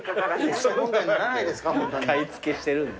買い付けしてるんだよ。